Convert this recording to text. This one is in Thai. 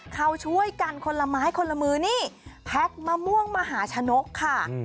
เขาช่วยกันคนละไม้คนละมือนี่แพ็กมะม่วงมหาชนกค่ะ